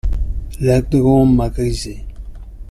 L'air de Rome m'a grisé.